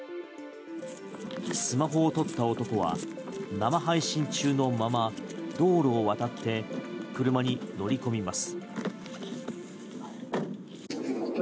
スマホを取った男は生配信中のまま、道路を渡って車に乗り込みます。